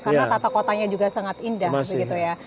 karena tata kotanya juga sangat indah begitu ya